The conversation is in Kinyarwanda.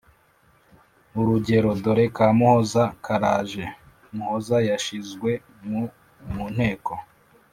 Urugero: Dore ka Muhoza karaje! Muhoza yashyizwe mu mu nteko